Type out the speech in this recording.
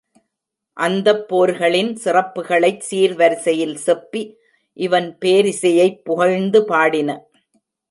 அந்தப் போர்களின் சிறப்புகளைச் சீர்வரிசையில் செப்பி இவன் பேரிசையைப் புகழ்ந்து பாடின.